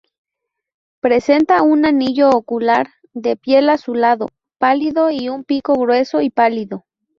Presenta un anillo ocular de piel azulado pálido y un pico grueso y pálido.